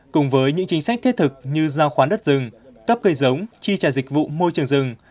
cùng với những chính sách thiết thực như giao khoán đất rừng cấp cây giống chi trả dịch vụ môi trường rừng